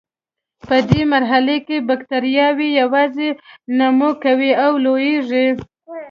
په دې مرحله کې بکټریاوې یوازې نمو کوي او لویږي.